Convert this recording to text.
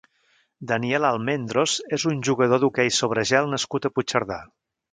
Daniel Almendros és un jugador d'hoquei sobre gel nascut a Puigcerdà.